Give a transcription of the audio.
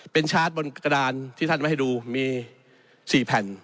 เป็นชาร์จบนกระดานที่ท่านไว้ให้ดูมี๔แผ่น